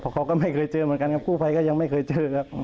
เขาก็ไม่เคยเจอเหมือนกันครับกู้ภัยก็ยังไม่เคยเจอครับ